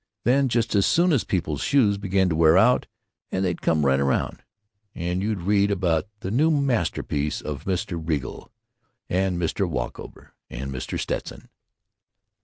Then just as soon as people's shoes began to wear out they'd come right around, and you'd read about the new masterpieces of Mr. Regal and Mr. Walkover and Mr. Stetson."